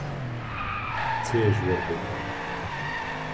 چێژ وەردەگرم.